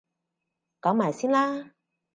講埋先啦！